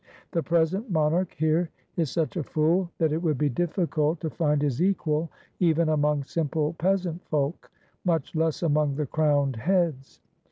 "The present monarch here is such a fool that it would be difficult to find his equal even among simple peasant folk, much less among the crowned heads.